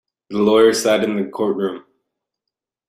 The lawyer sat in the courtroom.